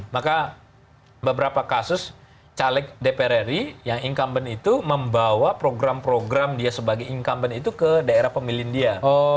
maka beberapa kasus caleg dprri yang incumbent itu membawa program program dia sebagai incumbent itu ke daerah pemilih dia